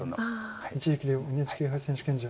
一力遼ＮＨＫ杯選手権者